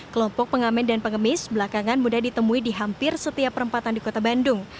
kelompok pengamen dan pengemis belakangan mudah ditemui di hampir setiap perempatan di kota bandung